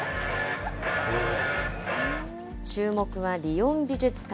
注目はリヨン美術館。